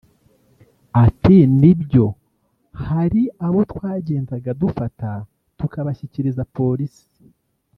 Ati “Nibyo hari abo twagendaga dufata tukabashyikiriza polisi